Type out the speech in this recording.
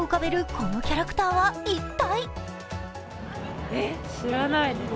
このキャラクターは一体？